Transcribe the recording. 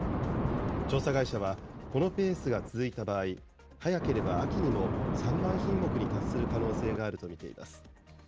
調査会社は、このペースが続いた場合、早ければ秋にも３万品目に達する可能性があると見ています。